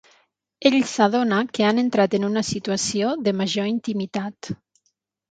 Ell s'adona que han entrat en una situació de major intimitat.